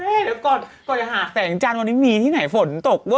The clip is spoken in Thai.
แม่เดี๋ยวก่อนก่อนอย่าอาบแสงจันทร์วันนี้มีที่ไหนฝนตกเวอร์